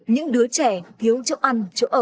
những đứa trẻ thiếu chỗ ăn chỗ ở